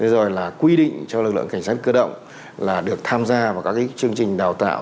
rồi là quy định cho lực lượng cảnh sát cơ động là được tham gia vào các chương trình đào tạo